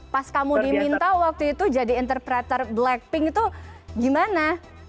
pas kamu diminta waktu itu jadi interpreter blackpink itu gimana